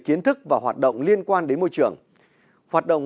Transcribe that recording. để đảm bảo an ninh trật tự vệ sinh môi trường